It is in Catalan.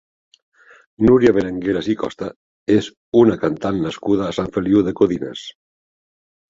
Núria Berengueras i Costa és una cantant nascuda a Sant Feliu de Codines.